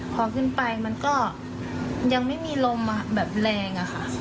พอขึ้นไปมันก็ยังไม่มีลมแบบแรงอะค่ะ